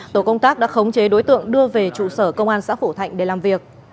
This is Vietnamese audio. tổ công tác đã khống chế đối tượng đưa về trụ sở công an xã phổ thạnh để làm việc